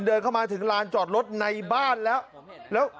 เออเข้ามาได้อย่างไร